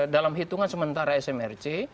dalam hitungan sementara smrc